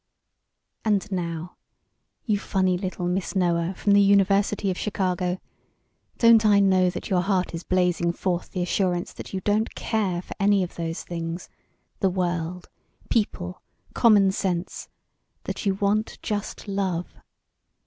"And now, you funny little Miss Noah from the University of Chicago, don't I know that your heart is blazing forth the assurance that you don't care for any of those things the world, people, common sense that you want just love?